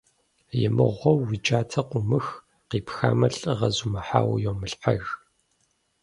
И мыгъуэу уи джатэ къыумых, къипхамэ, лӀыгъэ зумыхьауэ йомылъхьэж.